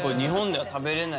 はい。